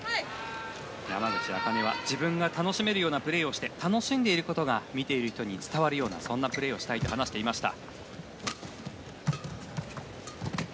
山口茜は自分が楽しめるようなプレーをして楽しんでいることが伝わるようなプレーをしたいと話していました。